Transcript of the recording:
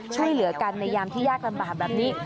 ช่วยเหลือกันในยามที่ยากลำบากแบบนี้